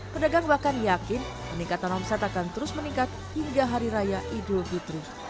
pedagang bahkan yakin peningkatan omset akan terus meningkat hingga hari raya idul fitri